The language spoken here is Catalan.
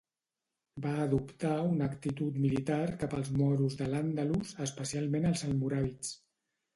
Va adoptar una actitud militar cap als moros d'Al-Àndalus, especialment els almoràvits.